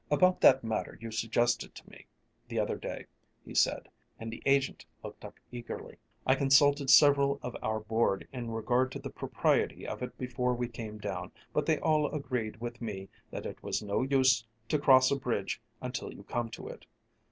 "About that matter you suggested to me the other day," he said, and the agent looked up eagerly. "I consulted several of our board in regard to the propriety of it before we came down, but they all agreed with me that it was no use to cross a bridge until you come to it.